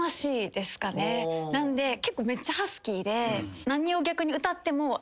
なんで結構めっちゃハスキーで。